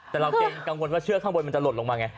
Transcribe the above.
แต่เราเกรงกังวลว่าเชือกข้างบนมันจะหล่นลงมาไง